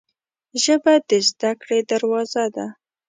ژبه د زده کړې دروازه ده